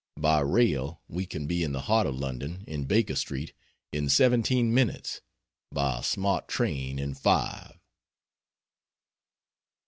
By rail we can be in the heart of London, in Baker Street, in seventeen minutes by a smart train in five."